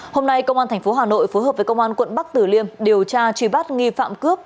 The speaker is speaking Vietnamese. hôm nay công an tp hà nội phối hợp với công an quận bắc tử liêm điều tra truy bắt nghi phạm cướp